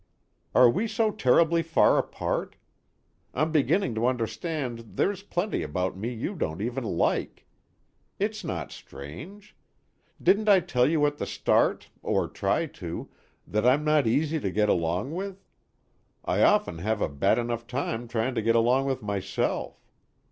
"Are we so terribly far apart? I'm beginning to understand there's plenty about me you don't even like. It's not strange. Didn't I tell you at the start, or try to, that I'm not easy to get along with? I often have a bad enough time trying to get along with myself.